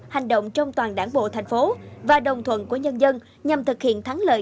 hành động trong toàn đảng bộ thành phố và đồng thuận của nhân dân nhằm thực hiện thắng lợi